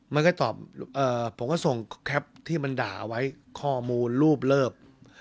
มันก็ตอบผมก็ส่งแคปที่มันด่าเอาไว้ข้อมูลรูปเลิก